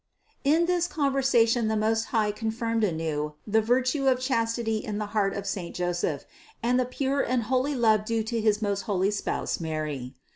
In this conversation the Most High confirmed anew the virtue of chastity in the heart of saint Joseph, and the pure and holy love due to his most holy spouse Mary.